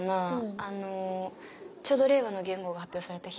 あのちょうど令和の元号が発表された日。